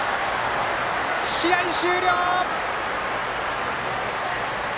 試合終了！